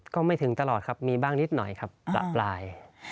ก็ไม่ถึงตลอดครับมีบ้างนิดหน่อยครับประปราย